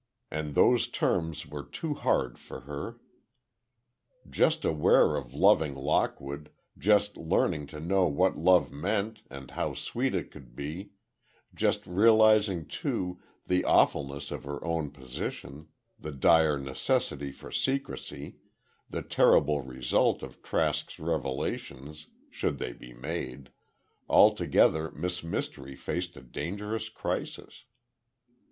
And those terms were too hard for her. Just aware of loving Lockwood, just learning to know what love meant and how sweet it could be, just realizing, too, the awfulness of her own position, the dire necessity for secrecy, the terrible result of Trask's revelations, should they be made, altogether Miss Mystery faced a dangerous crisis.